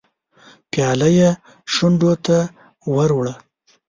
پياله يې شونډو ته ور وړه.